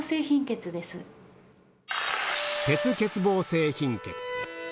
鉄欠乏性貧血。